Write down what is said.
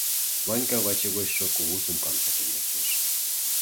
Ванька ваче гочшо кугу сумкам сакен лектеш.